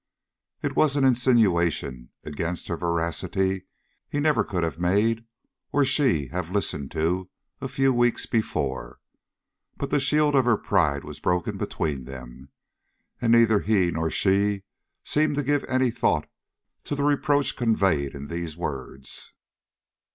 It was an insinuation against her veracity he never could have made, or she have listened to, a few weeks before; but the shield of her pride was broken between them, and neither he nor she seemed to give any thought to the reproach conveyed in these words.